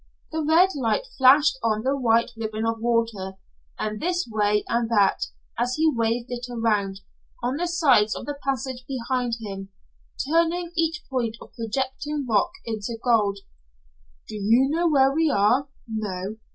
The red light flashed on the white ribbon of water, and this way and that, as he waved it around, on the sides of the passage behind him, turning each point of projecting rock into red gold. "Do you know where we are? No.